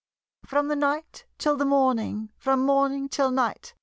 From the night till the morning, From morning till night.